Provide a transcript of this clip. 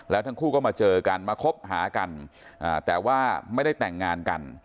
แล้วทั้งคู่ก็มาเจอกันมาคบหากันแต่ว่าไม่ได้แต่งงานกัน